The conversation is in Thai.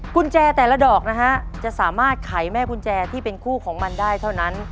กุญแจแต่ละดอกนะฮะจะสามารถไขแม่กุญแจที่เป็นคู่ของมันได้เท่านั้น